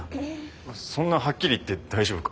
そんなはっきり言って大丈夫か？